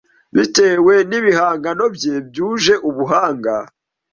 bitewe n’ibihangano bye byuje ubuhanga